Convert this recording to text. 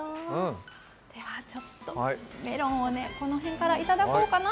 ではメロンをね、この辺からいただこうかな。